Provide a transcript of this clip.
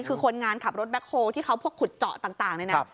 คือคนงานขับรถแบ็คโฮที่เขาพวกขุดเจาะต่างเลยนะ